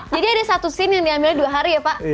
jadi ada satu scene yang diambilnya dua hari ya pak